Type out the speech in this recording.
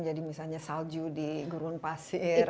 jadi misalnya salju di gurun pasir